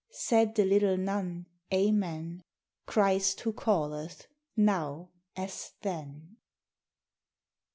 (Said the little nun: 'Amen: Christ who calleth, now as then.